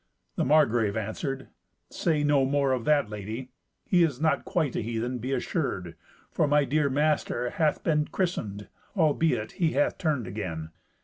The Margrave answered, "Say no more of that, Lady. He is not quite a heathen, be assured, for my dear master hath been christened; albeit he hath turned again.